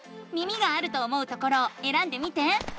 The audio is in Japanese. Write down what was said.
耳があると思うところをえらんでみて。